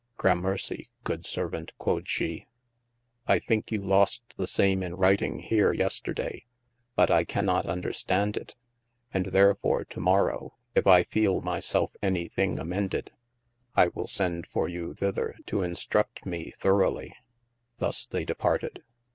Gramercy good servant, quod she, I thinke you lost the same in writing here yesterday, but I canot understand it: & therfore to morrow (if I feele my self any thing ameded) I wil sende for you thither to enstrudt me throughly : thus they departed.